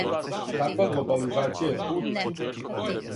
Каква глобализација је пут?